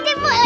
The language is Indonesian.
lihat dulu ya